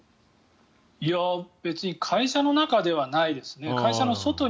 いや、別に会社の中ではないですね。